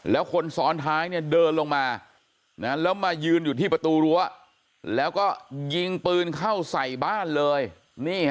แล้วคนซ้อนท้ายเนี่ยเดินลงมาแล้วมายืนอยู่ที่ประตูรั้วแล้วก็ยิงปืนเข้าใส่บ้านเลย